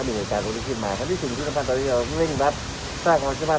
นี่จะต้องมีความหรือชอบของบรรคอชิมใหญ่